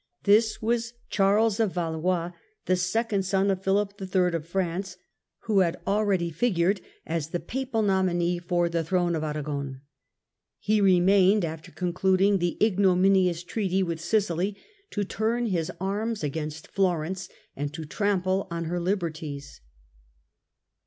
This was Charles of Valois, the second son of Philip III. of France, who had already ITALY, 1273 1313 41 iigured as the papal nominee for the throne of Aragon. He remained, after concluding the ignominious treaty with Sicily, to turn his arms against Florence and to trample on her liberties